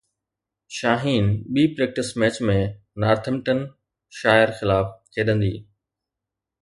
شاهين ٻي practice match ۾ Northamptonshire خلاف کيڏندي